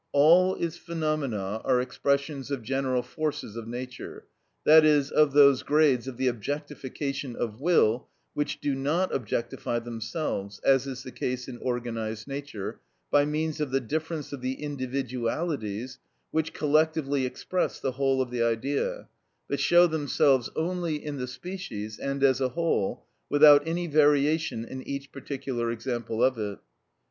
All its phenomena are expressions of general forces of nature, i.e., of those grades of the objectification of will which do not objectify themselves (as is the case in organised nature), by means of the difference of the individualities which collectively express the whole of the Idea, but show themselves only in the species, and as a whole, without any variation in each particular example of it.